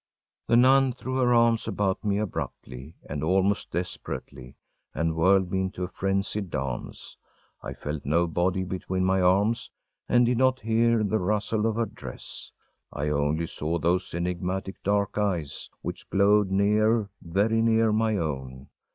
The nun threw her arms about me abruptly and almost desperately, and whirled me into a frenzied dance. I felt no body between my arms, and did not hear the rustle of her dress; I only saw those enigmatic dark eyes, which glowed near, very near, my own.